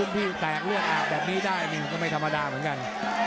อันนี้ทำรุ่นพี่แตกเลือดแอบแบบนี้ได้ก็ไม่ธรรมดาเหมือนกัน